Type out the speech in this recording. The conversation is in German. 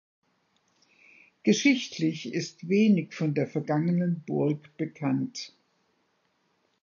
Geschichtlich ist wenig von der vergangenen Burg bekannt.